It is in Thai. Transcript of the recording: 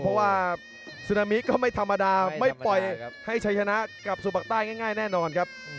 เพราะว่าซึนามิก็ไม่ธรรมดาไม่ปล่อยให้ชัยชนะกับสุปักใต้ง่ายแน่นอนครับ